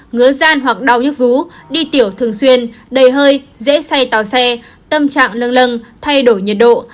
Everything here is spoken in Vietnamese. ngứa gian hoặc đau nhức vú đi tiểu thường xuyên đầy hơi dễ say tàu xe tâm trạng lâng lâng thay đổi nhiệt độ